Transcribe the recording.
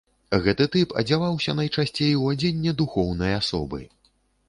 Гэты тып адзяваўся найчасцей у адзенне духоўнай асобы.